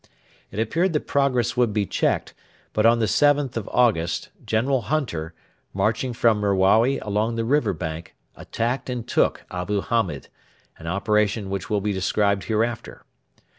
It appeared that progress would be checked, but on the 7th of August General Hunter, marching from Merawi along the river bank, attacked and took Abu Hamed an operation which will be described hereafter.